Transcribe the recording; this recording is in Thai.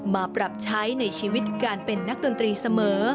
มาปรับใช้ในชีวิตการเป็นนักดนตรีเสมอ